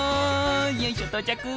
よいしょ到着。